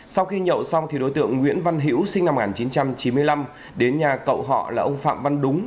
sau khi nhậu xong đối tượng nguyễn văn hiễu sinh năm một nghìn chín trăm chín mươi năm đến nhà cậu họ là ông phạm văn đúng